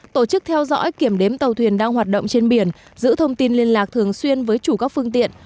tổ chức theo dõi kiểm đếm tàu thuyền đang hoạt động trên biển giữ thông tin liên lạc thường xuyên với chủ các phương tiện